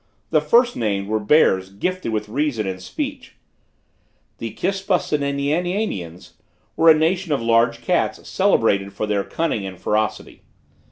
The first named were bears gifted with reason and speech. The Kispusiananians were a nation of large cats celebrated for their cunning and ferocity.